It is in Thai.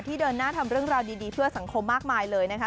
เดินหน้าทำเรื่องราวดีเพื่อสังคมมากมายเลยนะคะ